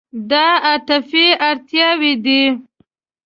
دا عاطفي اړتیاوې دي.